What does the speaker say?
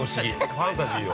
ファンタジーよ。